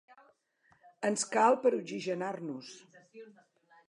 Ens cal per oxigenar- nos.